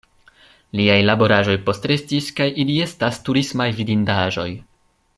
Liaj laboraĵoj postrestis kaj ili estas turismaj vidindaĵoj.